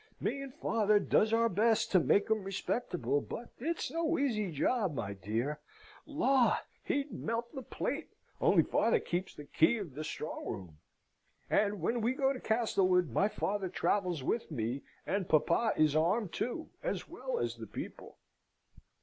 Me and father does our best to make him respectable: but it's no easy job, my dear. Law! he'd melt the plate, only father keeps the key of the strong room; and when we go to Castlewood, my father travels with me, and papa is armed too, as well as the people."